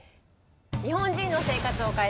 日本人の生活を変えた！